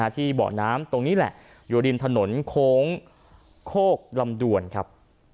เบาะน้ำตรงนี้แหละอยู่ริมถนนโค้งโคกลำดวนครับ